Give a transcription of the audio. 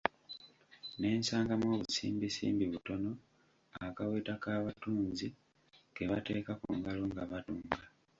Ne nsangamu obusimbisimbi butono, akaweta k'abatunzi ke bateeka ku ngalo nga batunga.